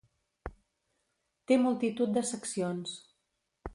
Té multitud de seccions.